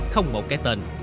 không một cái tên